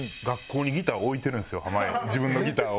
濱家自分のギターを。